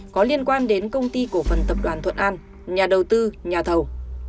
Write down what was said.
có liên quan đến công ty cổ phần tập đoàn thuận an nhà đầu tư nhà thầu